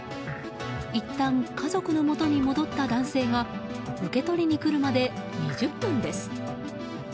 いったん家族のもとに戻った男性が受け取りに来るまで２０分です。